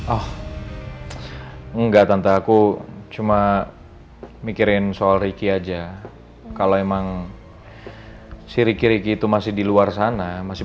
oh enggak tante aku cuma mikirin soal ricky aja kalau emang si riki riki itu masih di luar sana masih